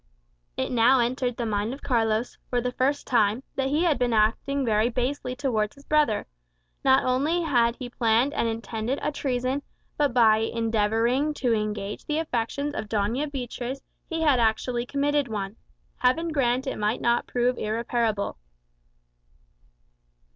It now entered the mind of Carlos, for the first time, that he had been acting very basely towards his brother. Not only had he planned and intended a treason, but by endeavouring to engage the affections of Doña Beatriz, he had actually committed one. Heaven grant it might not prove irreparable!